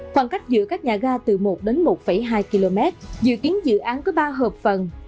khoảng cách giữa các nhà ga từ một đến một hai km dự kiến dự án có ba hợp phần